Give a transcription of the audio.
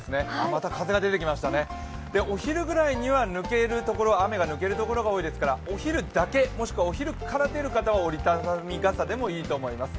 また風が出てきましたね、お昼ぐらいには雨が抜ける所が多いですからお昼だけ、もしくはお昼から出る方は折り畳み傘でもいいと思います。